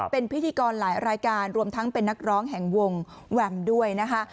เป็นพิธีกรหลายรายการรวมทั้งเป็นนักร้องแห่งวงแวมด้วยนะคะ